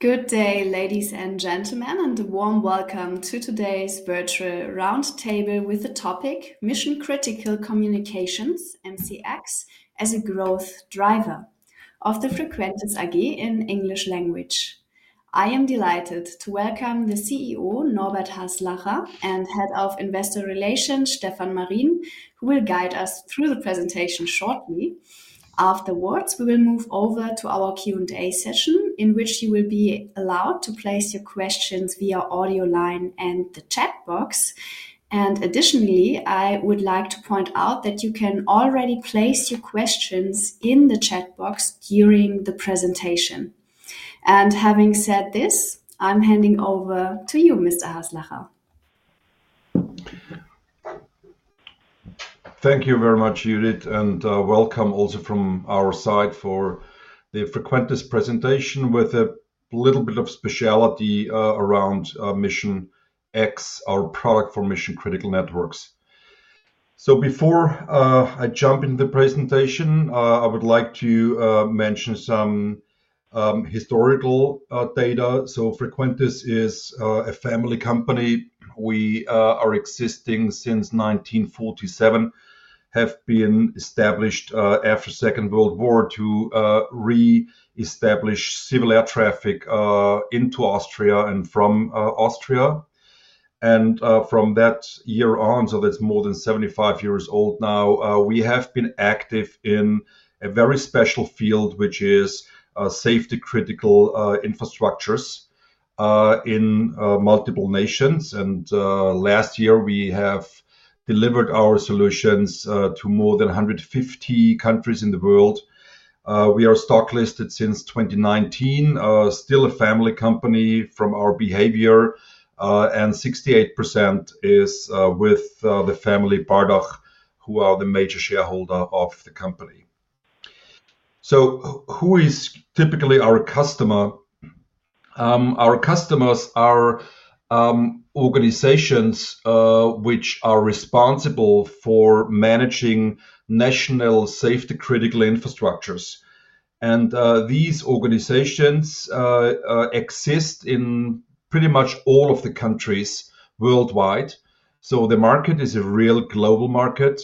Good day, ladies and gentlemen, and a warm welcome to today's virtual roundtable with the topic "Mission Critical Communications (MCX) as a Growth Driver" of Frequentis AG in the English language. I am delighted to welcome the CEO, Norbert Haslacher, and Head of Investor Relations, Stefan Marin, who will guide us through the presentation shortly. Afterwards, we will move over to our Q&A session, in which you will be allowed to place your questions via the audio line and the chat box. Additionally, I would like to point out that you can already place your questions in the chat box during the presentation. Having said this, I'm handing over to you, Mr. Haslacher. Thank you very much, Judith, and welcome also from our side for the Frequentis presentation with a little bit of specialty around Mission X, our product for mission-critical networks. Before I jump into the presentation, I would like to mention some historical data. Frequentis is a family company. We are existing since 1947, have been established after the Second World War to reestablish civil air traffic into Austria and from Austria. From that year on, so that's more than 75 years old now, we have been active in a very special field, which is safety-critical infrastructures in multiple nations. Last year, we have delivered our solutions to more than 150 countries in the world. We are stocklisted since 2019, still a family company from our behavior, and 68% is with the family, Bardach, who are the major shareholder of the company. Who is typically our customer? Our customers are organizations which are responsible for managing national safety-critical infrastructures. These organizations exist in pretty much all of the countries worldwide. The market is a real global market.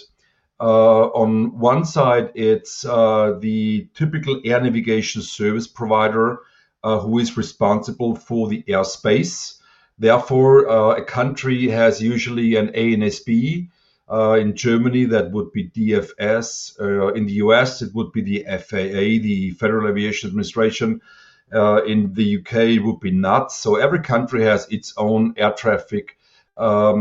On one side, it's the typical air navigation service provider who is responsible for the airspace. Therefore, a country has usually an ANSB. In Germany, that would be DFS. In the U.S., it would be the FAA, the Federal Aviation Administration. In the U.K., it would be NATS. Every country has its own air traffic, air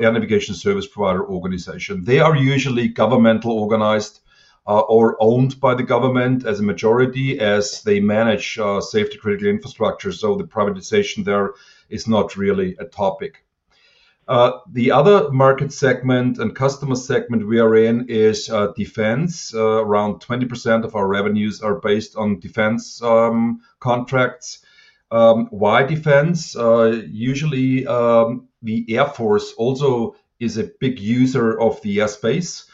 navigation service provider organization. They are usually governmentally organized or owned by the government as a majority as they manage safety-critical infrastructures. The privatization there is not really a topic. The other market segment and customer segment we are in is defense. Around 20% of our revenues are based on defense contracts. Why defense? Usually, the Air Force also is a big user of the airspace.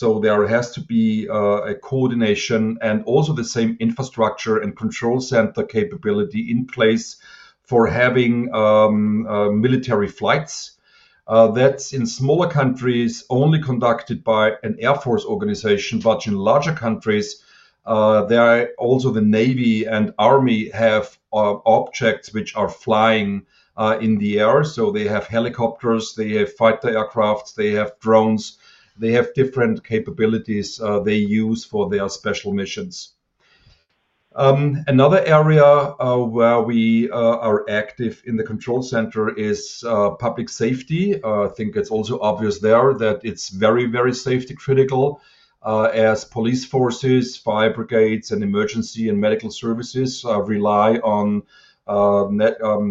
There has to be a coordination and also the same infrastructure and control center capability in place for having military flights. That's in smaller countries only conducted by an Air Force organization, but in larger countries, there are also the Navy and Army have objects which are flying in the air. They have helicopters, they have fighter aircrafts, they have drones. They have different capabilities they use for their special missions. Another area where we are active in the control center is public safety. I think it's also obvious there that it's very, very safety-critical as police forces, fire brigades, and emergency and medical services rely on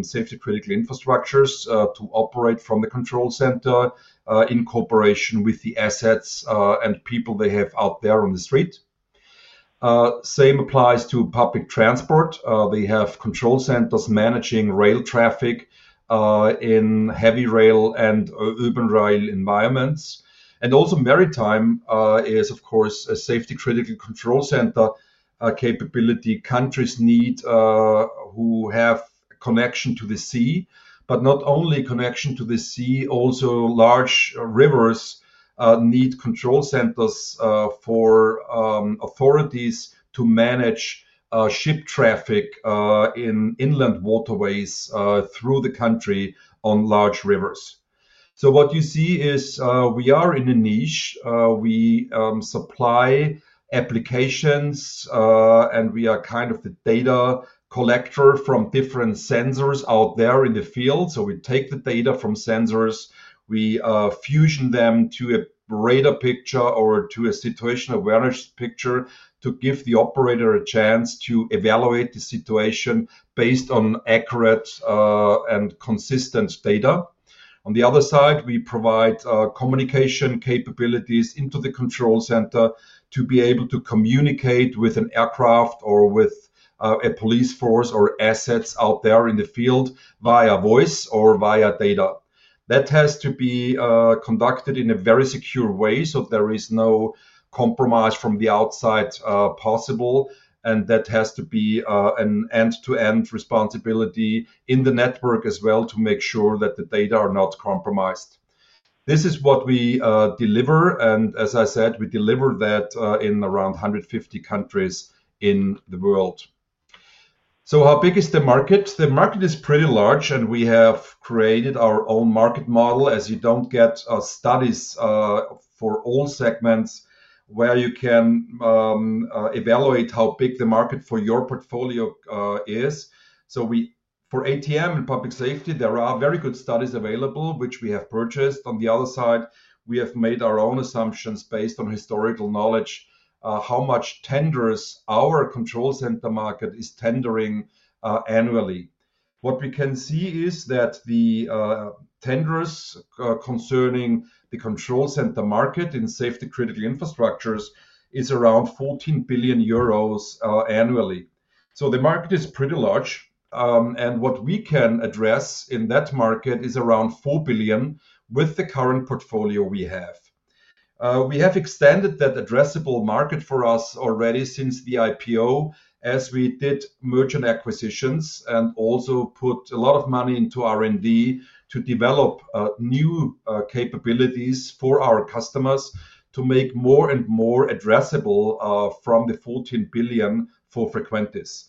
safety-critical infrastructures to operate from the control center in cooperation with the assets and people they have out there on the street. The same applies to public transport. They have control centers managing rail traffic in heavy rail and urban rail environments. Also, maritime is, of course, a safety-critical control center capability countries need who have connection to the sea. Not only connection to the sea, also large rivers need control centers for authorities to manage ship traffic in inland waterways through the country on large rivers. What you see is we are in a niche. We supply applications, and we are kind of the data collector from different sensors out there in the field. We take the data from sensors, we fusion them to a radar picture or to a situational awareness picture to give the operator a chance to evaluate the situation based on accurate and consistent data. On the other side, we provide communication capabilities into the control center to be able to communicate with an aircraft or with a police force or assets out there in the field via voice or via data. That has to be conducted in a very secure way so there is no compromise from the outside possible. That has to be an end-to-end responsibility in the network as well to make sure that the data are not compromised. This is what we deliver. As I said, we deliver that in around 150 countries in the world. How big is the market? The market is pretty large, and we have created our own market model. As you don't get studies for all segments where you can evaluate how big the market for your portfolio is. For ATM and public safety, there are very good studies available, which we have purchased. On the other side, we have made our own assumptions based on historical knowledge how much tenders our control center market is tendering annually. What we can see is that the tenders concerning the control center market in safety-critical infrastructures is around 14 billion euros annually. The market is pretty large. What we can address in that market is around 4 billion with the current portfolio we have. We have extended that addressable market for us already since the IPO as we did Nemergent Solutions acquisitions and also put a lot of money into R&D to develop new capabilities for our customers to make more and more addressable from the 14 billion for Frequentis.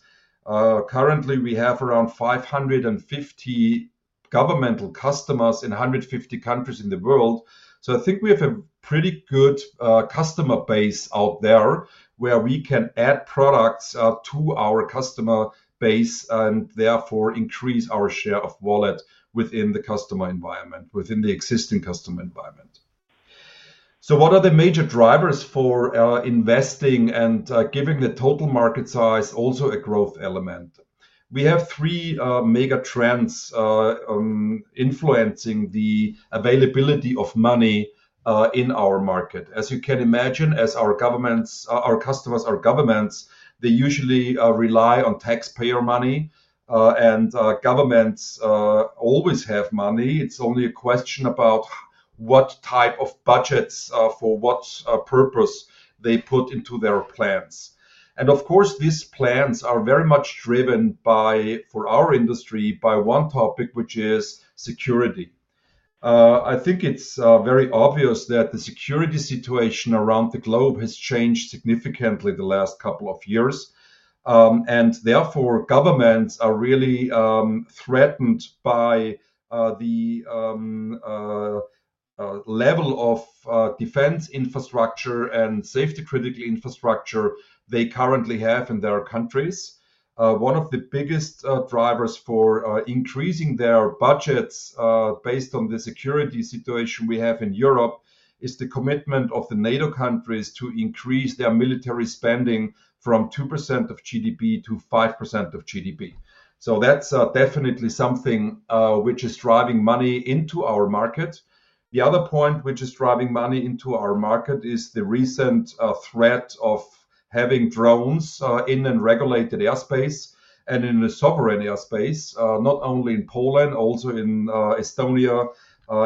Currently, we have around 550 governmental customers in 150 countries in the world. I think we have a pretty good customer base out there where we can add products to our customer base and therefore increase our share of wallet within the customer environment, within the existing customer environment. What are the major drivers for investing and giving the total market size also a growth element? We have three mega trends influencing the availability of money in our market. As you can imagine, as our customers are governments, they usually rely on taxpayer money. Governments always have money. It's only a question about what type of budgets for what purpose they put into their plans. Of course, these plans are very much driven by, for our industry, by one topic, which is security. I think it's very obvious that the security situation around the globe has changed significantly the last couple of years. Therefore, governments are really threatened by the level of defense infrastructure and safety-critical infrastructure they currently have in their countries. One of the biggest drivers for increasing their budgets based on the security situation we have in Europe is the commitment of the NATO countries to increase their military spending from 2% of GDP to 5% of GDP. That's definitely something which is driving money into our market. The other point which is driving money into our market is the recent threat of having drones in and regulated airspace and in the sovereign airspace, not only in Poland, also in Estonia,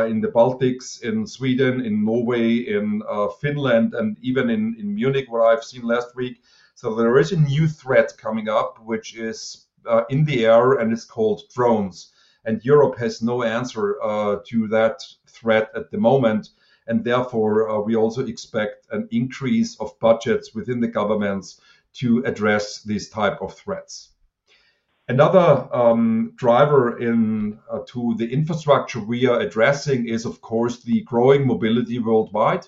in the Baltics, in Sweden, in Norway, in Finland, and even in Munich, where I've seen last week. There is a new threat coming up, which is in the air, and it's called drones. Europe has no answer to that threat at the moment. Therefore, we also expect an increase of budgets within the governments to address this type of threats. Another driver to the infrastructure we are addressing is, of course, the growing mobility worldwide.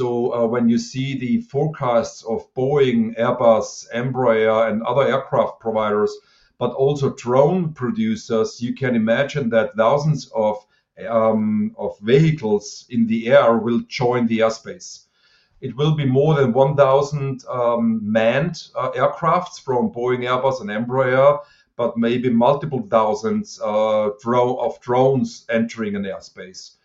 When you see the forecasts of Boeing, Airbus, Embraer, and other aircraft providers, but also drone producers, you can imagine that thousands of vehicles in the air will join the airspace. It will be more than 1,000 manned aircraft from Boeing, Airbus, and Embraer, but maybe multiple thousands of drones entering an airspace.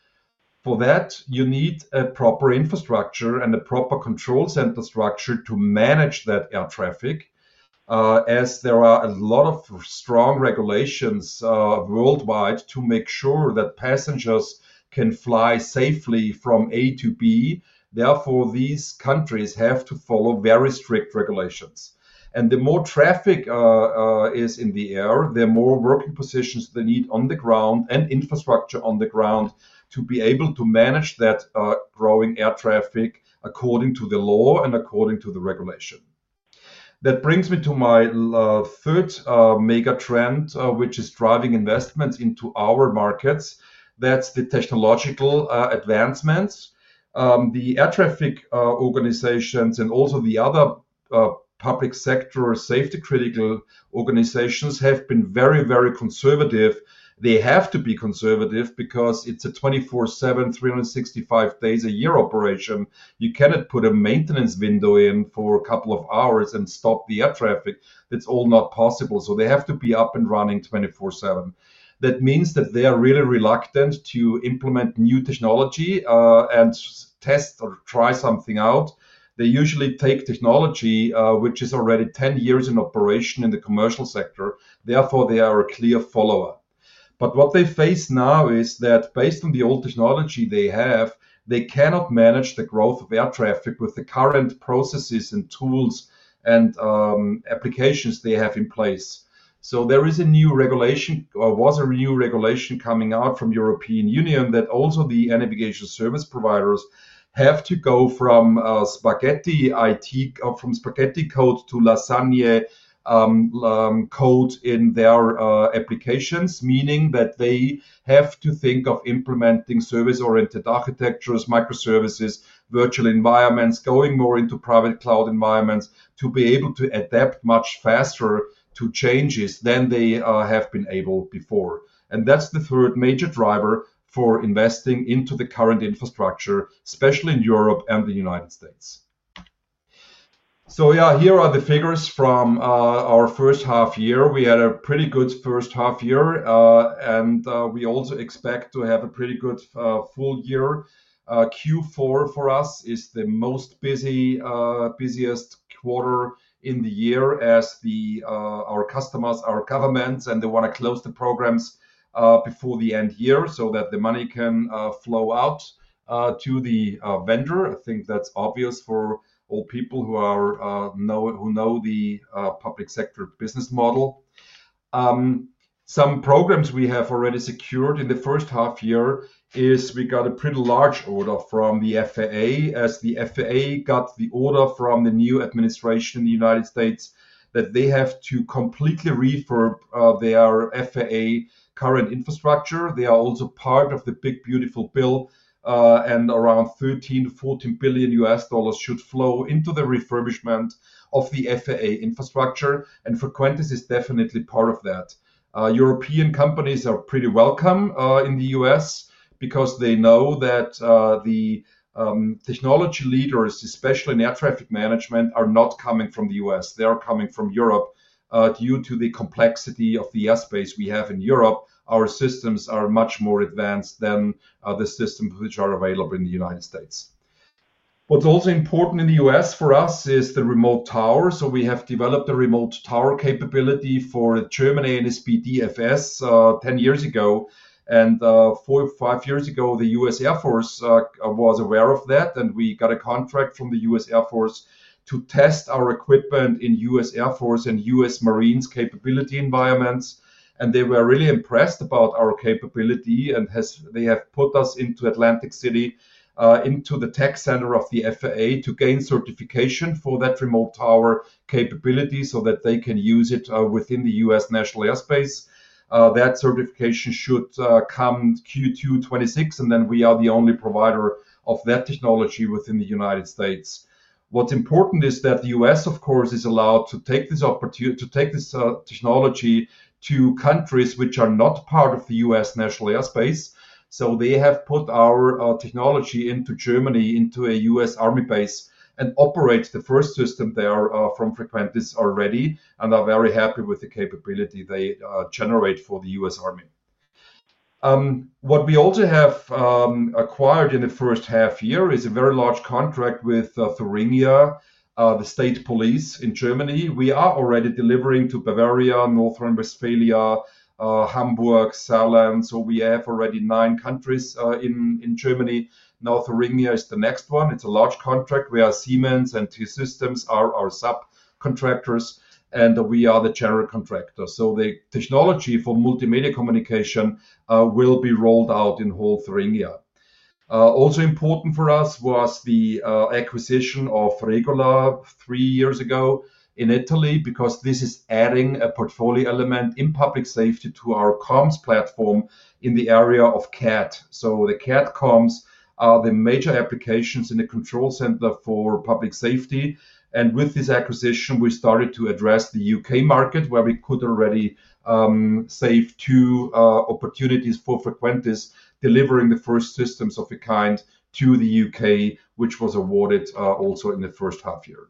For that, you need a proper infrastructure and a proper control center structure to manage that air traffic, as there are a lot of strong regulations worldwide to make sure that passengers can fly safely from A to B. Therefore, these countries have to follow very strict regulations. The more traffic is in the air, the more working positions they need on the ground and infrastructure on the ground to be able to manage that growing air traffic according to the law and according to the regulation. That brings me to my third mega trend, which is driving investments into our markets. That's the technological advancements. The air traffic organizations and also the other public sector safety-critical organizations have been very, very conservative. They have to be conservative because it's a 24/7, 365 days a year operation. You cannot put a maintenance window in for a couple of hours and stop the air traffic. It's all not possible. They have to be up and running 24/7. That means that they are really reluctant to implement new technology and test or try something out. They usually take technology which is already 10 years in operation in the commercial sector. Therefore, they are a clear follower. What they face now is that based on the old technology they have, they cannot manage the growth of air traffic with the current processes and tools and applications they have in place. There is a new regulation or was a new regulation coming out from the European Union that also the air navigation service providers have to go from spaghetti IT or from spaghetti code to lasagne code in their applications, meaning that they have to think of implementing service-oriented architectures, microservices, virtual environments, going more into private cloud environments to be able to adapt much faster to changes than they have been able before. That's the third major driver for investing into the current infrastructure, especially in Europe and the United States. Here are the figures from our first half year. We had a pretty good first half year, and we also expect to have a pretty good full year. Q4 for us is the most busy quarter in the year as our customers are governments, and they want to close the programs before the end year so that the money can flow out to the vendor. I think that's obvious for all people who know the public sector business model. Some programs we have already secured in the first half year are we got a pretty large order from the FAA as the FAA got the order from the new administration, the United States, that they have to completely refurb their FAA current infrastructure. They are also part of the Big, Beautiful Bill, and around $13 billion-$14 billion should flow into the refurbishment of the FAA infrastructure. Frequentis is definitely part of that. European companies are pretty welcome in the U.S. because they know that the technology leaders, especially in air traffic management, are not coming from the U.S. They are coming from Europe due to the complexity of the airspace we have in Europe. Our systems are much more advanced than the systems which are available in the United States. What's also important in the U.S. for us is the remote tower. We have developed a remote tower capability for German ANSB DFS 10 years ago. Four or five years ago, the U.S. Air Force was aware of that, and we got a contract from the U.S. Air Force to test our equipment in U.S. Air Force and U.S. Marines capability environments. They were really impressed about our capability, and they have put us into Atlantic City, into the tech center of the FAA to gain certification for that remote tower capability so that they can use it within the U.S. National Airspace. That certification should come Q2 2026, and then we are the only provider of that technology within the United States. What's important is that the U.S., of course, is allowed to take this technology to countries which are not part of the U.S. National Airspace. They have put our technology into Germany, into a U.S. Army base, and operate the first system there from Frequentis already and are very happy with the capability they generate for the U.S. Army. What we also have acquired in the first half year is a very large contract with Thuringia, the state police in Germany. We are already delivering to Bavaria, North Rhine-Westphalia, Hamburg, Saarland. We have already nine countries in Germany. Now Thuringia is the next one. It's a large contract. Siemens and T-Systems are our subcontractors, and we are the general contractor. The technology for multimedia communication will be rolled out in whole Thuringia. Also important for us was the acquisition of Regular three years ago in Italy because this is adding a portfolio element in public safety to our comms platform in the area of CAD. The CAD comms are the major applications in the control center for public safety. With this acquisition, we started to address the U.K. market where we could already save two opportunities for Frequentis delivering the first systems of a kind to the U.K., which was awarded also in the first half year.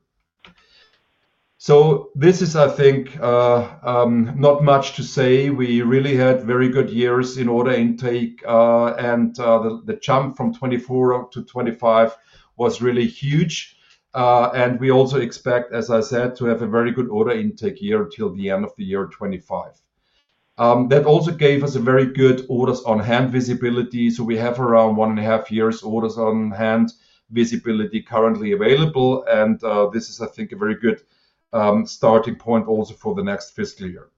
I think not much to say. We really had very good years in order intake, and the jump from 2024 to 2025 was really huge. We also expect, as I said, to have a very good order intake year until the end of the year 2025. That also gave us very good orders on hand visibility. We have around one and a half years orders on hand visibility currently available. This is, I think, a very good starting point also for the next fiscal year.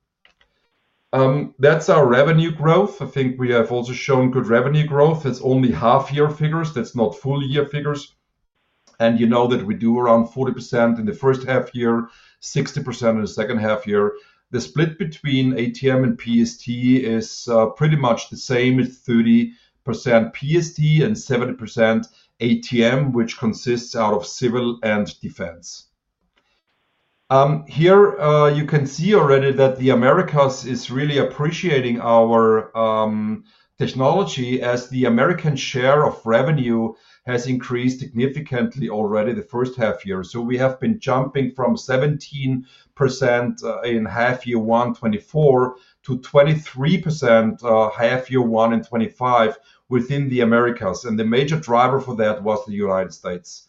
That's our revenue growth. I think we have also shown good revenue growth. It's only half-year figures. That's not full-year figures. You know that we do around 40% in the first half year, 60% in the second half year. The split between ATM and PST is pretty much the same. It's 30% PST and 70% ATM, which consists out of civil and defense. Here you can see already that the Americas is really appreciating our technology as the American share of revenue has increased significantly already the first half year. We have been jumping from 17% in half year one 2024 to 23% half year one in 2025 within the Americas. The major driver for that was the United States.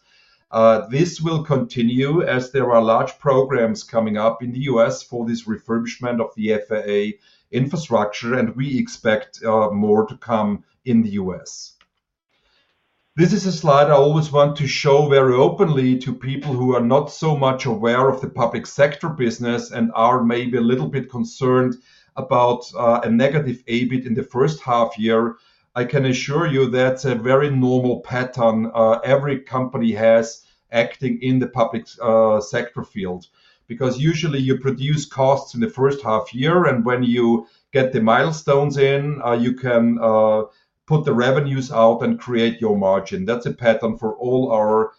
This will continue as there are large programs coming up in the U.S. for this refurbishment of the FAA infrastructure, and we expect more to come in the U.S. This is a slide I always want to show very openly to people who are not so much aware of the public sector business and are maybe a little bit concerned about a negative EBIT in the first half year. I can assure you that's a very normal pattern every company has acting in the public sector field because usually you produce costs in the first half year, and when you get the milestones in, you can put the revenues out and create your margin. That's a pattern for all our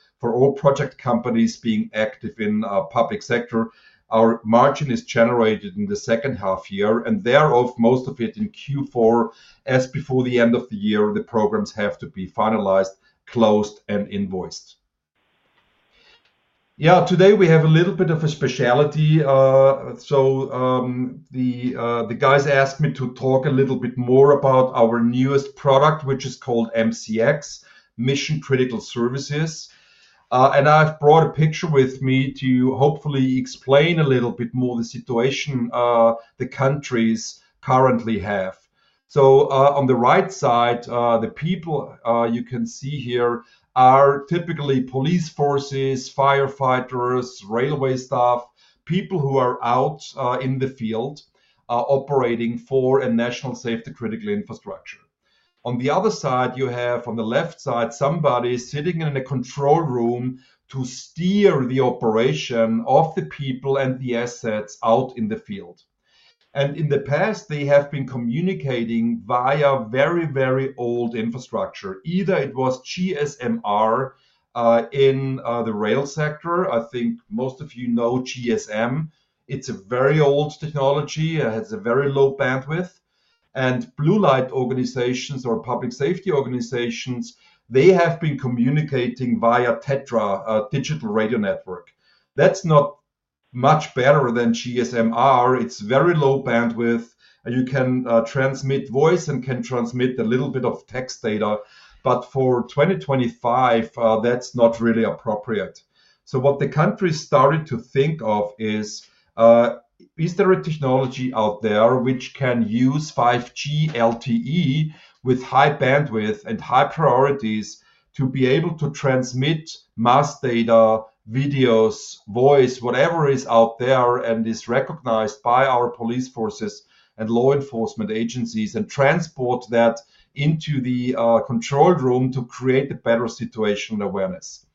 project companies being active in our public sector. Our margin is generated in the second half year, and most of it in Q4 as before the end of the year, the programs have to be finalized, closed, and invoiced. Today we have a little bit of a specialty. The guys asked me to talk a little bit more about our newest product, which is called MCX, Mission Critical Services. I've brought a picture with me to hopefully explain a little bit more the situation the countries currently have. On the right side, the people you can see here are typically police forces, firefighters, railway staff, people who are out in the field operating for a national safety-critical infrastructure. On the other side, you have on the left side somebody sitting in a control room to steer the operation of the people and the assets out in the field. In the past, they have been communicating via very, very old infrastructure. Either it was GSMR in the rail sector. I think most of you know GSM. It's a very old technology. It has a very low bandwidth. Blue light organizations or public safety organizations have been communicating via TETRA, a digital radio network. That's not much better than GSMR. It's very low bandwidth, and you can transmit voice and can transmit a little bit of text data. For 2025, that's not really appropriate. The country started to think of whether there is a technology out there which can use 5G/LTE with high bandwidth and high priorities to be able to transmit mass data, videos, voice, whatever is out there and is recognized by our police forces and law enforcement agencies and transport that into the control room to create a better situational awareness.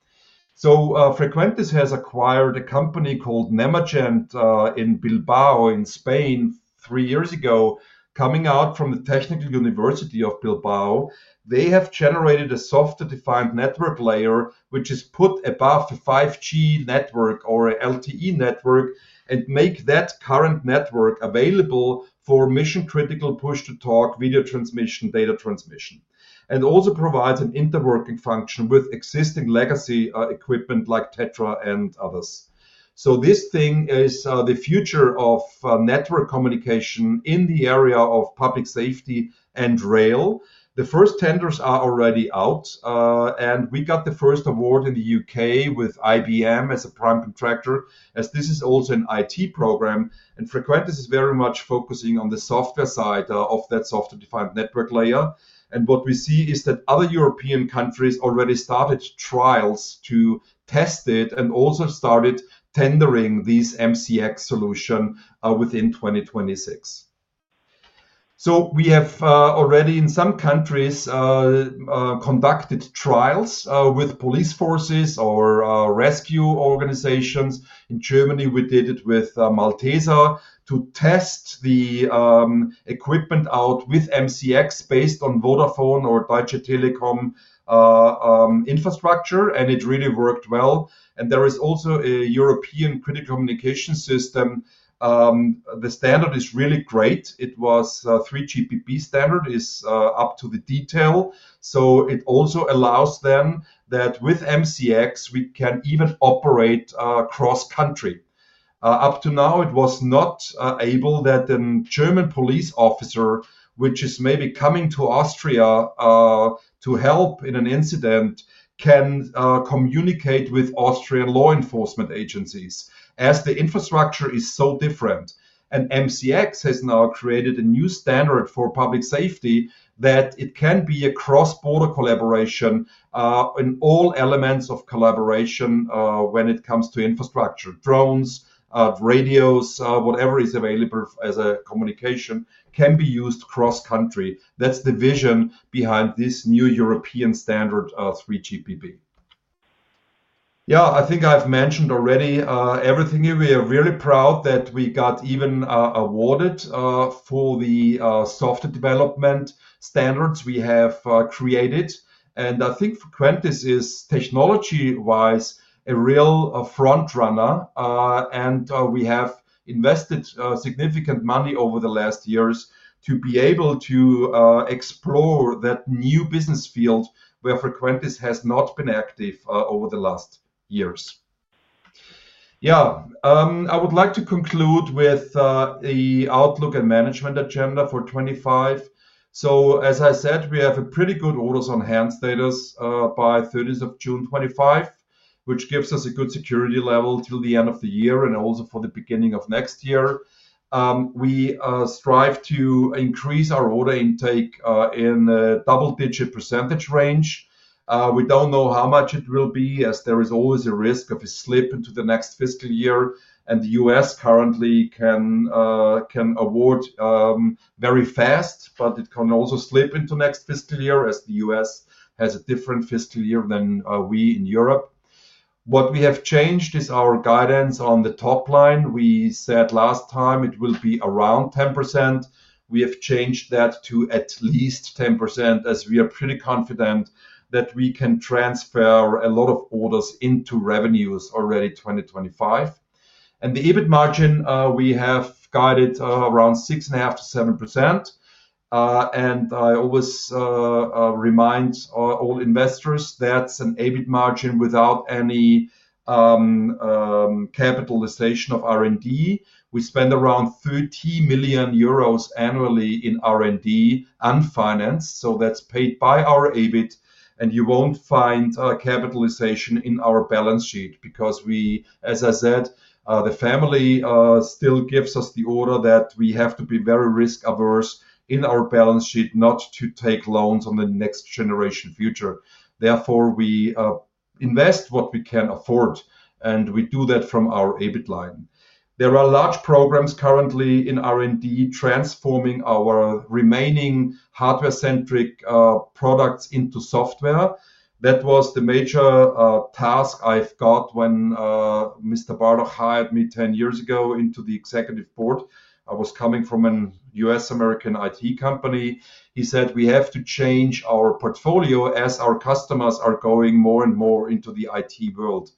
Frequentis has acquired a company called Nemergent Solutions in Bilbao in Spain three years ago, coming out from the Technical University of Bilbao. They have generated a software-defined network layer which is put above the 5G network or LTE network and makes that current network available for mission-critical push-to-talk video transmission, data transmission, and also provides an interworking function with existing legacy equipment like TETRA and others. This is the future of network communication in the area of public safety and rail. The first tenders are already out, and we got the first award in the UK with IBM as a prime contractor as this is also an IT program. Frequentis is very much focusing on the software side of that software-defined network layer. What we see is that other European countries already started trials to test it and also started tendering these MCX solutions within 2026. We have already in some countries conducted trials with police forces or rescue organizations. In Germany, we did it with Malteser to test the equipment out with MCX based on Vodafone or Deutsche Telekom infrastructure, and it really worked well. There is also a European critical communication system. The standard is really great. It was 3GPP standard is up to the detail. It also allows then that with MCX, we can even operate cross-country. Up to now, it was not able that a German police officer, which is maybe coming to Austria to help in an incident, can communicate with Austrian law enforcement agencies as the infrastructure is so different. MCX has now created a new standard for public safety that it can be a cross-border collaboration in all elements of collaboration when it comes to infrastructure, drones, radios, whatever is available as a communication can be used cross-country. That's the vision behind this new European standard 3GPP. I think I've mentioned already everything. We are really proud that we got even awarded for the software development standards we have created. I think Frequentis is technology-wise a real front runner, and we have invested significant money over the last years to be able to explore that new business field where Frequentis has not been active over the last years. I would like to conclude with the outlook and management agenda for 2025. As I said, we have a pretty good orders on hand status by 30th of June 2025, which gives us a good security level till the end of the year and also for the beginning of next year. We strive to increase our order intake in a double-digit percentage range. We don't know how much it will be as there is always a risk of a slip into the next fiscal year. The U.S. currently can award very fast, but it can also slip into next fiscal year as the U.S. has a different fiscal year than we in Europe. What we have changed is our guidance on the top line. We said last time it will be around 10%. We have changed that to at least 10% as we are pretty confident that we can transfer a lot of orders into revenues already 2025. The EBIT margin we have guided around 6.5%-7%. I always remind all investors that's an EBIT margin without any capitalization of R&D. We spend around 30 million euros annually in R&D unfinanced. That's paid by our EBIT. You won't find capitalization in our balance sheet because, as I said, the family still gives us the order that we have to be very risk-averse in our balance sheet not to take loans on the next generation future. Therefore, we invest what we can afford, and we do that from our EBIT line. There are large programs currently in R&D transforming our remaining hardware-centric products into software. That was the major task I've got when Mr. Bardach hired me 10 years ago into the Executive Board. I was coming from a U.S.-American IT company. He said we have to change our portfolio as our customers are going more and more into the IT world.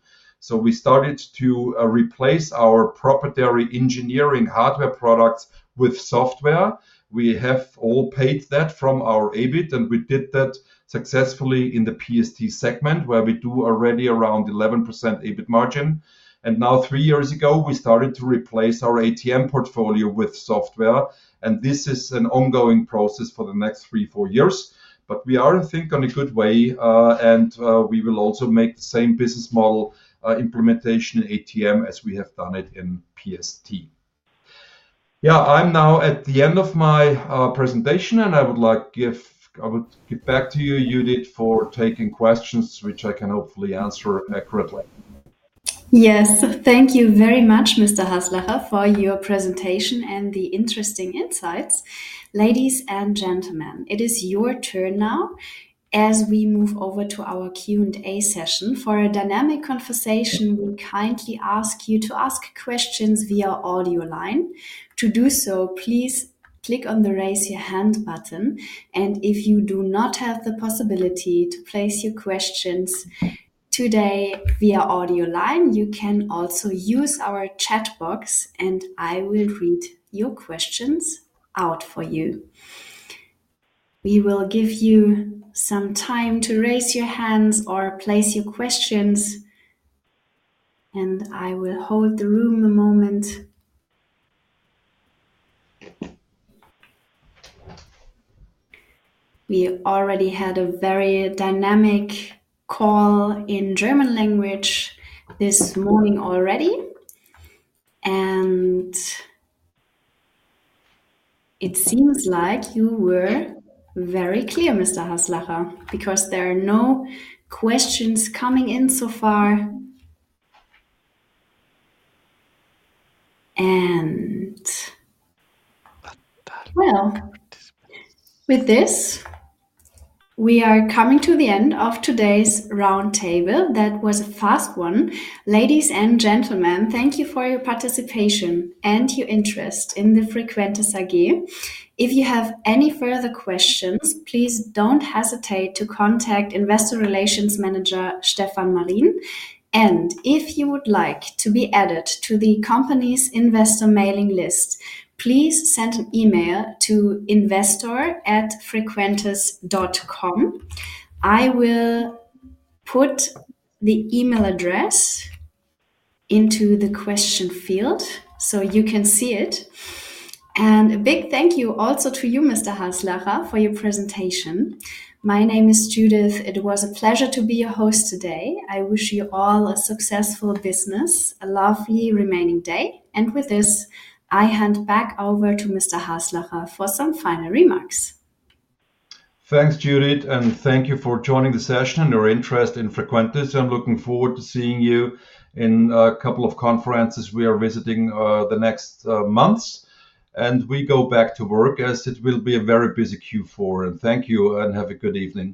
We started to replace our proprietary engineering hardware products with software. We have all paid that from our EBIT, and we did that successfully in the PST segment where we do already around 11% EBIT margin. Three years ago, we started to replace our ATM portfolio with software. This is an ongoing process for the next three, four years. I think we are in a good way, and we will also make the same business model implementation in ATM as we have done it in PST. I'm now at the end of my presentation, and I would like to give back to you, Judith, for taking questions, which I can hopefully answer accurately. Yes, thank you very much, Mr. Haslacher, for your presentation and the interesting insights. Ladies and gentlemen, it is your turn now as we move over to our Q&A session. For a dynamic conversation, we kindly ask you to ask questions via audio line. To do so, please click on the raise your hand button. If you do not have the possibility to place your questions today via audio line, you can also use our chat box, and I will read your questions out for you. We will give you some time to raise your hands or place your questions, and I will hold the room a moment. We already had a very dynamic call in German language this morning. It seems like you were very clear, Mr. Haslacher, because there are no questions coming in so far. With this, we are coming to the end of today's roundtable. That was a fast one. Ladies and gentlemen, thank you for your participation and your interest in Frequentis AG. If you have any further questions, please don't hesitate to contact Investor Relations Manager, Stefan Marin. If you would like to be added to the company's investor mailing list, please send an email to investor@frequentis.com. I will put the email address into the question field so you can see it. A big thank you also to you, Mr. Haslacher, for your presentation. My name is Judith. It was a pleasure to be your host today. I wish you all a successful business, a lovely remaining day. With this, I hand back over to Mr. Haslacher for some final remarks. Thanks, Judith, and thank you for joining the session and your interest in Frequentis. I'm looking forward to seeing you in a couple of conferences we are visiting the next months. We go back to work as it will be a very busy Q4. Thank you and have a good evening.